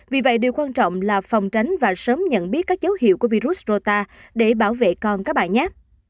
vì vậy điều quan trọng là phòng tránh và sớm nhận biết các dấu hiệu của virus rota để bảo vệ con các bài nhát